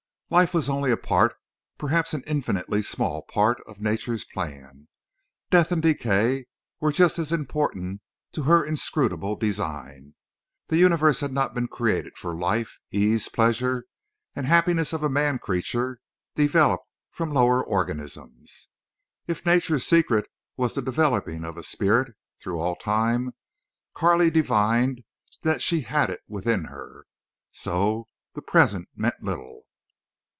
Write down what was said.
Life was only a part, perhaps an infinitely small part of nature's plan. Death and decay were just as important to her inscrutable design. The universe had not been created for life, ease, pleasure, and happiness of a man creature developed from lower organisms. If nature's secret was the developing of a spirit through all time, Carley divined that she had it within her. So the present meant little.